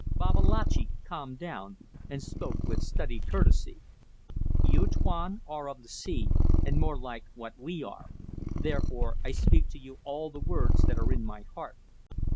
Babalatchi calmed down, and spoke with studied courtesy. "You, Tuan, are of the sea, and more like what we are. Therefore I speak to you all the words that are in my heart.